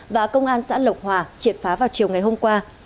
và công an xã lộc hòa triệt phá vào chiều ngày hôm qua